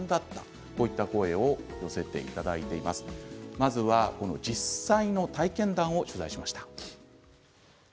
まずは実際の体験談を取材しました。